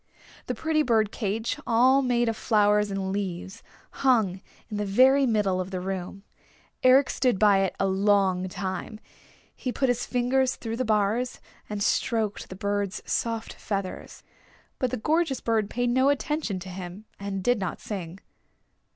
The pretty bird cage, all made of flowers and leaves, hung in the very middle of the room. Eric stood by it a long time. He put his fingers through the bars, and stroked the bird's soft feathers. But the gorgeous bird paid no attention to him, and did not sing.